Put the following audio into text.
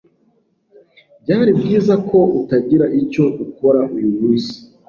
Byari byiza ko utagira icyo ukora uyu munsi.